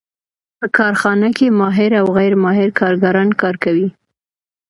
په کارخانه کې ماهر او غیر ماهر کارګران کار کوي